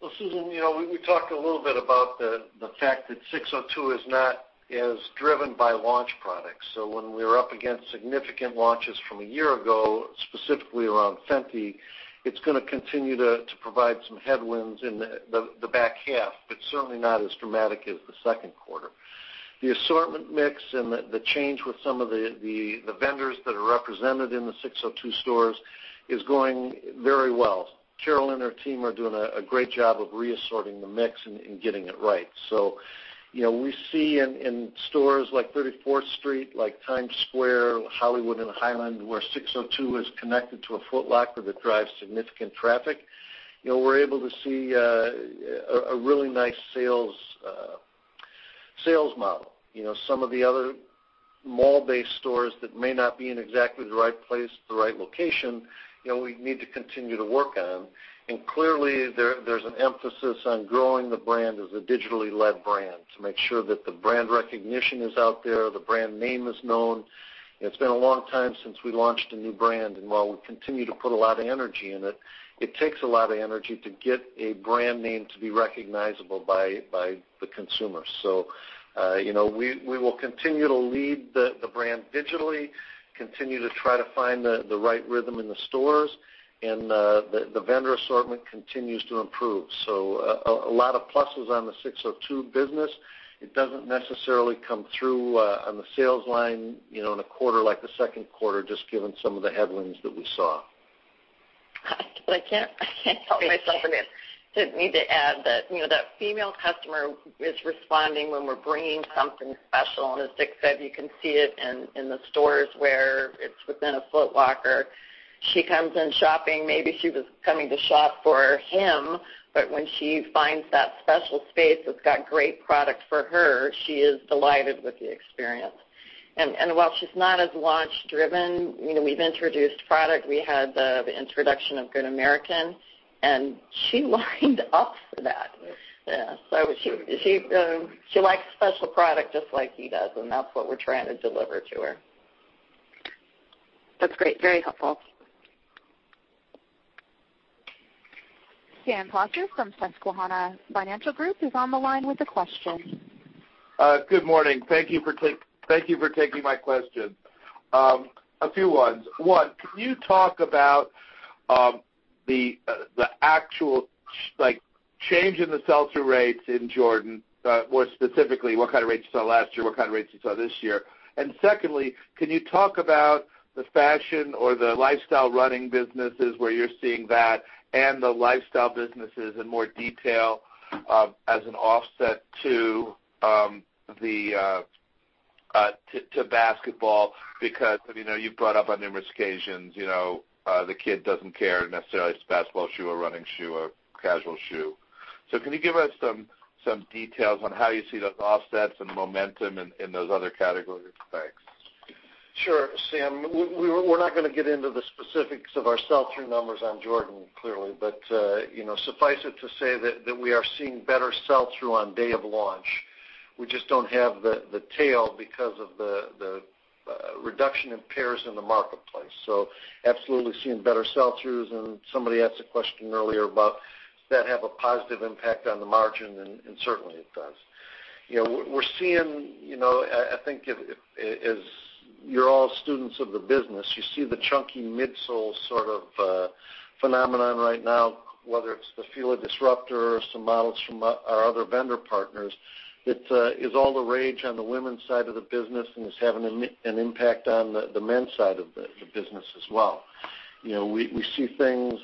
Well, Susan, we talked a little bit about the fact that SIX:02 is not as driven by launch products. When we are up against significant launches from a year ago, specifically around Fenty, it's going to continue to provide some headwinds in the back half, but certainly not as dramatic as the second quarter. The assortment mix and the change with some of the vendors that are represented in the SIX:02 stores is going very well. Carol and her team are doing a great job of re-assorting the mix and getting it right. We see in stores like 34th Street, like Times Square, Hollywood and Highland, where SIX:02 is connected to a Foot Locker that drives significant traffic. We're able to see a really nice sales model. Some of the other mall-based stores that may not be in exactly the right place at the right location, we need to continue to work on. Clearly, there's an emphasis on growing the brand as a digitally led brand to make sure that the brand recognition is out there, the brand name is known. It's been a long time since we launched a new brand. While we continue to put a lot of energy in it takes a lot of energy to get a brand name to be recognizable by the consumer. We will continue to lead the brand digitally, continue to try to find the right rhythm in the stores, and the vendor assortment continues to improve. A lot of pluses on the SIX:02 business. It doesn't necessarily come through on the sales line in a quarter like the second quarter, just given some of the headwinds that we saw. I can't help myself and just need to add that that female customer is responding when we're bringing something special in a SIX:02. You can see it in the stores where it's within a Foot Locker. She comes in shopping, maybe she was coming to shop for him, but when she finds that special space that's got great products for her, she is delighted with the experience. While she's not as launch driven, we've introduced product. We had the introduction of Good American, and she lined up for that. Yeah. She likes special product just like he does, and that's what we're trying to deliver to her. That's great. Very helpful. Sam Poser from Susquehanna Financial Group is on the line with a question. Good morning. Thank you for taking my question. A few ones. One, can you talk about the actual change in the sell-through rates in Jordan? More specifically, what kind of rates you saw last year, what kind of rates you saw this year. Secondly, can you talk about the fashion or the lifestyle running businesses, where you're seeing that and the lifestyle businesses in more detail as an offset to basketball? You've brought up on numerous occasions, the kid doesn't care necessarily it's a basketball shoe, a running shoe, or casual shoe. Can you give us some details on how you see those offsets and the momentum in those other categories? Thanks. Sure, Sam. We're not going to get into the specifics of our sell-through numbers on Jordan, clearly. Suffice it to say that we are seeing better sell-through on day of launch. We just don't have the tail because of the reduction in pairs in the marketplace. Absolutely seeing better sell-throughs. Somebody asked a question earlier about, does that have a positive impact on the margin? Certainly, it does. We're seeing, I think, as you're all students of the business, you see the chunky midsole sort of phenomenon right now, whether it's the Fila Disruptor or some models from our other vendor partners. It is all the rage on the women's side of the business and is having an impact on the men's side of the business as well. We see things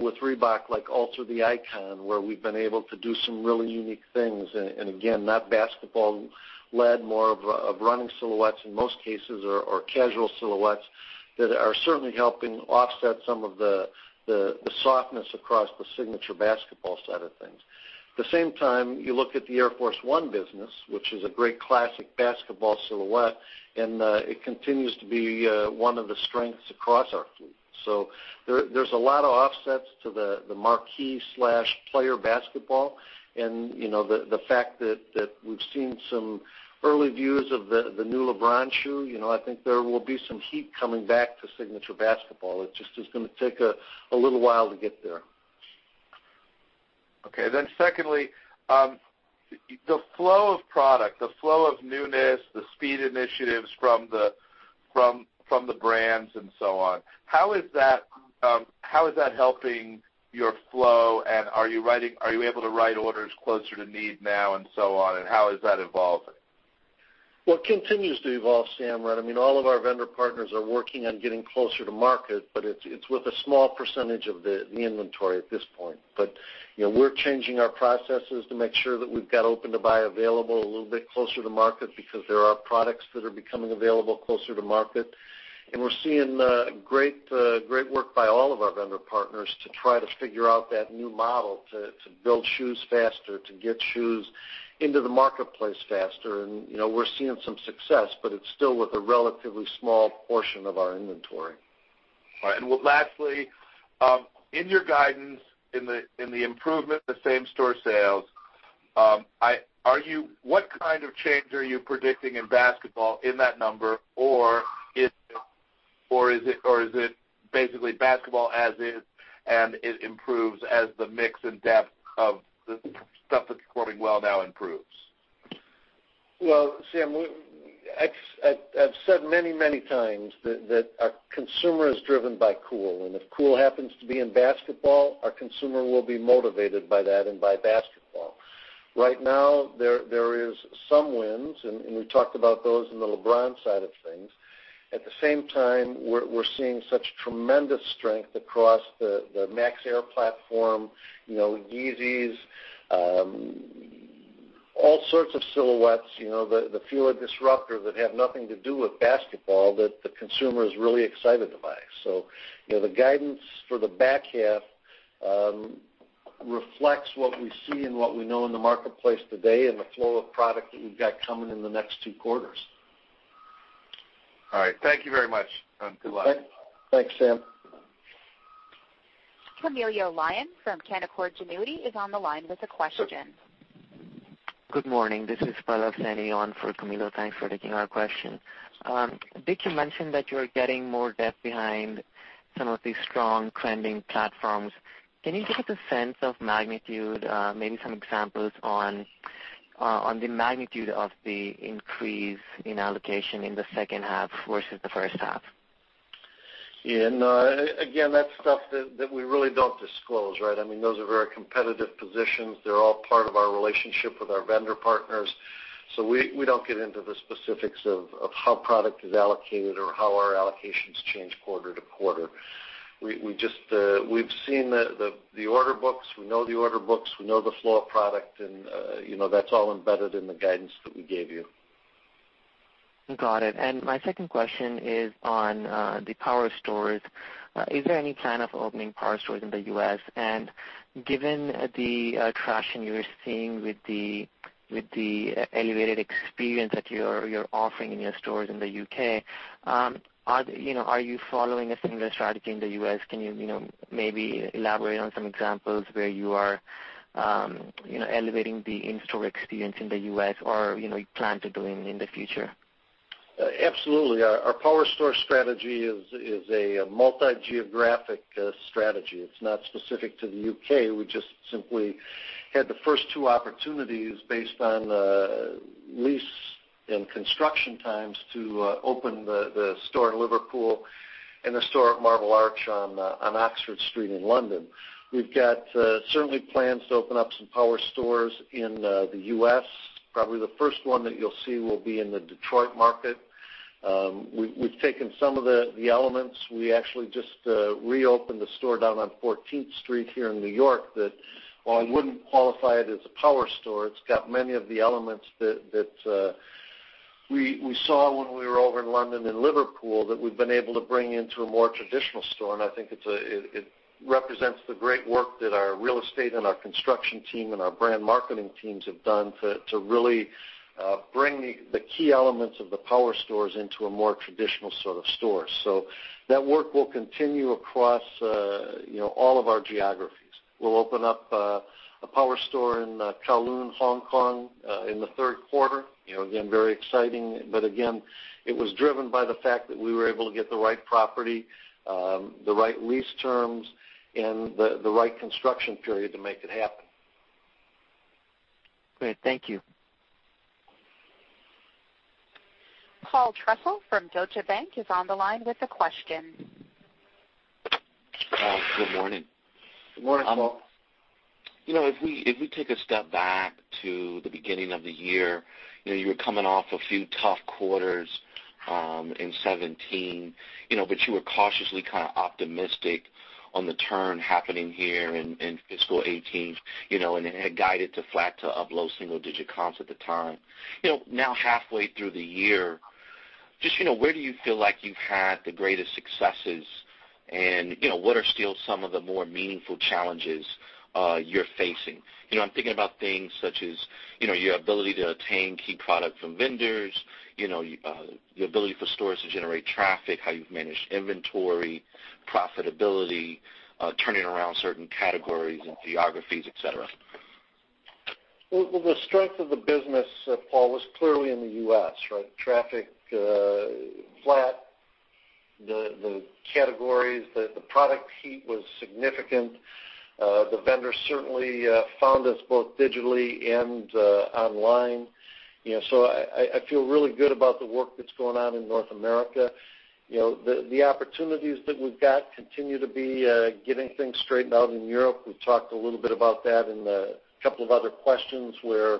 with Reebok like Alter the Icons, where we've been able to do some really unique things. Again, not basketball led, more of running silhouettes in most cases, or casual silhouettes that are certainly helping offset some of the softness across the signature basketball side of things. At the same time, you look at the Air Force 1 business, which is a great classic basketball silhouette, and it continues to be one of the strengths across our fleet. There's a lot of offsets to the marquee/player basketball. The fact that we've seen some early views of the new LeBron shoe, I think there will be some heat coming back to signature basketball. It's just going to take a little while to get there. Okay. Secondly, the flow of product, the flow of newness, the speed initiatives from the brands and so on. How is that helping your flow, and are you able to write orders closer to need now and so on? How is that evolving? Well, it continues to evolve, Sam. All of our vendor partners are working on getting closer to market, but it's with a small percentage of the inventory at this point. We're changing our processes to make sure that we've got open to buy available a little bit closer to market because there are products that are becoming available closer to market. We're seeing great work by all of our vendor partners to try to figure out that new model, to build shoes faster, to get shoes into the marketplace faster. We're seeing some success, but it's still with a relatively small portion of our inventory. Lastly, in your guidance, in the improvement of the same-store sales, what kind of change are you predicting in basketball in that number? Or is it basically basketball as is, and it improves as the mix and depth of the stuff that's performing well now improves? Well, Sam, I've said many times that our consumer is driven by cool. If cool happens to be in basketball, our consumer will be motivated by that and by basketball. Right now, there is some wins, and we've talked about those in the LeBron side of things. At the same time, we're seeing such tremendous strength across the Air Max platform, Yeezys, all sorts of silhouettes, the Fila Disruptor, that have nothing to do with basketball that the consumer is really excited to buy. The guidance for the back half reflects what we see and what we know in the marketplace today and the flow of product that we've got coming in the next two quarters. All right. Thank you very much, and good luck. Thanks, Sam. Camilo Lyon from Canaccord Genuity is on the line with a question. Good morning. This is Pallav standing on for Camilo. Thanks for taking our question. Dick, you mentioned that you are getting more depth behind some of these strong trending platforms. Can you give us a sense of magnitude, maybe some examples on the magnitude of the increase in allocation in the second half versus the first half? Again, that is stuff that we really do not disclose. Those are very competitive positions. They are all part of our relationship with our vendor partners. We do not get into the specifics of how product is allocated or how our allocations change quarter-to-quarter. We have seen the order books. We know the order books. We know the flow of product, and that is all embedded in the guidance that we gave you. Got it. My second question is on the power stores. Is there any plan of opening power stores in the U.S.? Given the traction you are seeing with the elevated experience that you are offering in your stores in the U.K., are you following a similar strategy in the U.S.? Can you maybe elaborate on some examples where you are elevating the in-store experience in the U.S. or you plan to do in the future? Absolutely. Our Power Store strategy is a multi-geographic strategy. It's not specific to the U.K. We just simply had the first two opportunities based on lease and construction times to open the store in Liverpool and the store at Marble Arch on Oxford Street in London. We've got certainly plans to open up some power stores in the U.S. Probably the first one that you'll see will be in the Detroit market. We've taken some of the elements. We actually just reopened the store down on 14th Street here in New York that, while I wouldn't qualify it as a power store, it's got many of the elements that we saw when we were over in London and Liverpool that we've been able to bring into a more traditional store. I think it represents the great work that our real estate and our construction team and our brand marketing teams have done to really bring the key elements of the power stores into a more traditional sort of store. That work will continue across all of our geographies. We'll open up a power store in Kowloon, Hong Kong, in the third quarter. Again, very exciting. Again, it was driven by the fact that we were able to get the right property, the right lease terms, and the right construction period to make it happen. Great. Thank you. Paul Trussell from Deutsche Bank is on the line with a question. Paul, good morning. Good morning, Paul. If we take a step back to the beginning of the year, you were coming off a few tough quarters in 2017. You were cautiously kind of optimistic on the turn happening here in fiscal 2018, and had guided to flat to up low single-digit comps at the time. Now halfway through the year, just where do you feel like you've had the greatest successes and what are still some of the more meaningful challenges you're facing? I'm thinking about things such as your ability to attain key product from vendors, your ability for stores to generate traffic, how you've managed inventory, profitability, turning around certain categories and geographies, et cetera. Well, the strength of the business, Paul, was clearly in the U.S., right? Traffic flat. The categories, the product heat was significant. The vendors certainly found us both digitally and online. I feel really good about the work that's going on in North America. The opportunities that we've got continue to be getting things straightened out in Europe. We talked a little bit about that in a couple of other questions where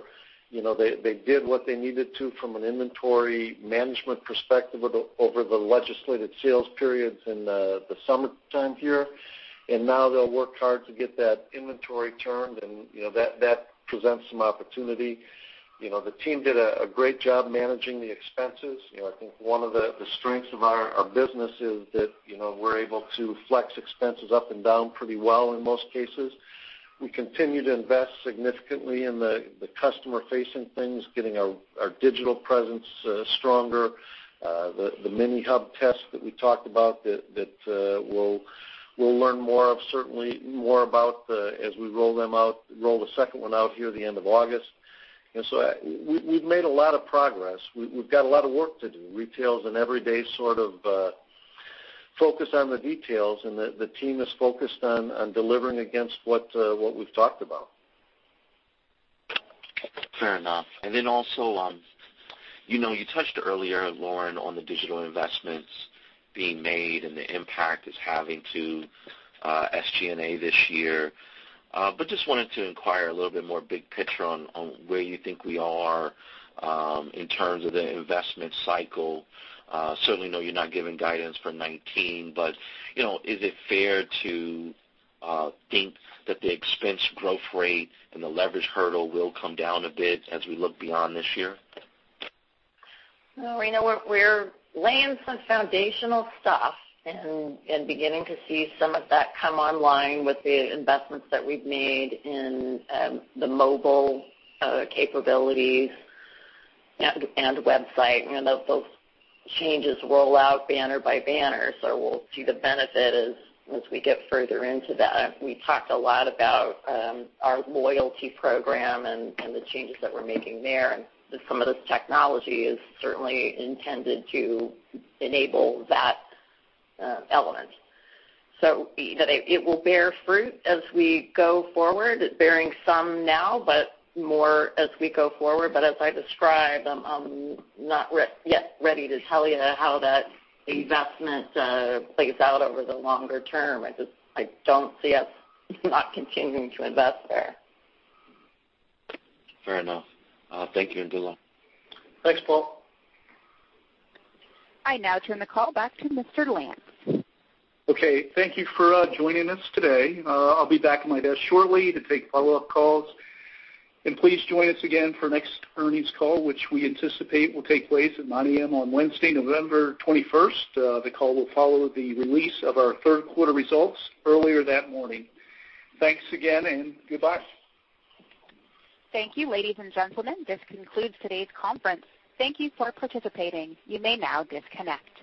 they did what they needed to from an inventory management perspective over the legislated sales periods in the summertime here. Now they'll work hard to get that inventory turned, and that presents some opportunity. The team did a great job managing the expenses. I think one of the strengths of our business is that we're able to flex expenses up and down pretty well in most cases. We continue to invest significantly in the customer-facing things, getting our digital presence stronger. The mini hub test that we talked about that we'll learn more about as we roll the second one out here the end of August. We've made a lot of progress. We've got a lot of work to do. Retail is an everyday sort of focus on the details, and the team is focused on delivering against what we've talked about. Fair enough. Also, you touched earlier, Lauren, on the digital investments being made and the impact it's having to SG&A this year. Just wanted to inquire a little bit more big picture on where you think we are in terms of the investment cycle. Certainly know you're not giving guidance for 2019, but is it fair to think that the expense growth rate and the leverage hurdle will come down a bit as we look beyond this year? Well, we're laying some foundational stuff and beginning to see some of that come online with the investments that we've made in the mobile capabilities and website. Those changes roll out banner by banner, so we'll see the benefit as we get further into that. We talked a lot about our loyalty program and the changes that we're making there, and some of this technology is certainly intended to enable that element. It will bear fruit as we go forward. It's bearing some now, but more as we go forward. As I described, I'm not yet ready to tell you how that investment plays out over the longer term. I don't see us not continuing to invest there. Fair enough. Thank you and good luck. Thanks, Paul. I now turn the call back to Mr. Lance. Okay. Thank you for joining us today. I'll be back at my desk shortly to take follow-up calls. Please join us again for next earnings call, which we anticipate will take place at 9:00 A.M. on Wednesday, November 21st. The call will follow the release of our third quarter results earlier that morning. Thanks again, and goodbye. Thank you, ladies and gentlemen. This concludes today's conference. Thank you for participating. You may now disconnect.